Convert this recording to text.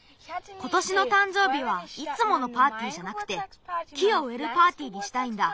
ことしのたんじょうびはいつものパーティーじゃなくて木をうえるパーティーにしたいんだ。